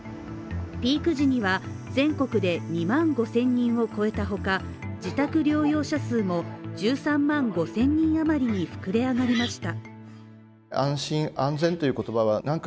ピーク時には全国で２万５０００人を超えたほか、自宅療養者数も１３万５０００人余りに膨れ上がりました。